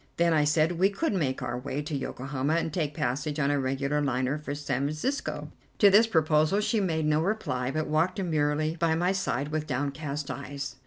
Then, I said, we could make our way to Yokohama and take passage on a regular liner for San Francisco. To this proposal she made no reply, but walked demurely by my side with downcast eyes.